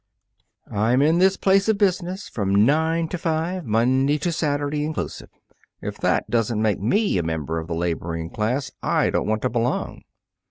"I'm in this place of business from nine to five, Monday to Saturday, inclusive. If that doesn't make me a member of the laboring class I don't want to belong."